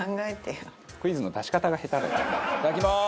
いただきまーす！